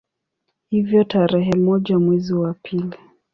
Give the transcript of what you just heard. Hivyo tarehe moja mwezi wa pili